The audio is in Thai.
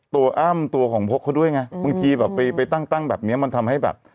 ตัวอ้ามตัวของพวกเขาด้วยไงบางทีไปตั้งแบบนี้มันทำให้แบบ